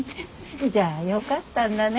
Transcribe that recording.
じゃあよかったんだね